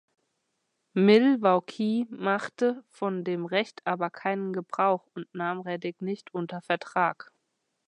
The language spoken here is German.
Milwaukee machte von dem Recht aber keinen Gebrauch und nahm Reddick nicht unter Vertrag.